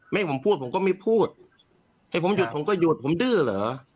ให้ผมพูดผมก็ไม่พูดให้ผมหยุดผมก็หยุดผมดื้อเหรอ